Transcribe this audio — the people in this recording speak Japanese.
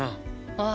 ああ。